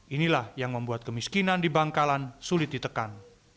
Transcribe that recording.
inilah yang membuat kemiskinan di bangkalan sulit ditekan